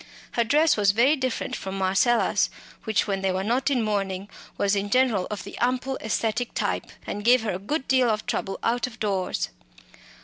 Her dress was very different from Marcella's, which, when they were not in mourning, was in general of the ample "aesthetic" type, and gave her a good deal of trouble out of doors.